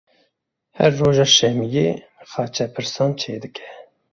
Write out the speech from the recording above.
Her roja şemiyê xaçepirsan çêdike.